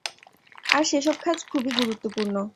আর সেসব কাজ খুবই গুরুত্বপূর্ণ।